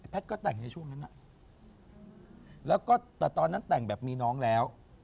แพทย์ก็แต่งเฉพาะเก่งโมงแต่ตอนนั้นแต่งแบบมีน้องแล้ว